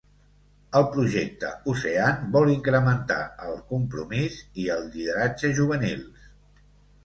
El Projecte Ocean vol incrementar el compromís i el lideratge juvenils.